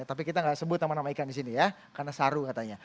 tapi kita nggak sebut nama nama ikan di sini ya karena saru katanya